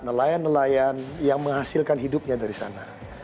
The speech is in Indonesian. nelayan nelayan yang menghasilkan hidupnya dari sana